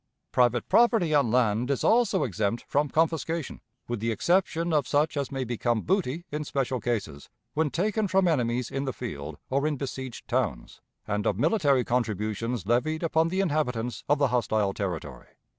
Private property on land is also exempt from confiscation, with the exception of such as may become booty in special cases, when taken from enemies in the field or in besieged towns, and of military contributions levied upon the inhabitants of the hostile territory.